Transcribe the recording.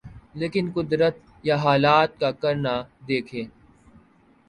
لیکن قدرت یا حالات کا کرنا دیکھیے۔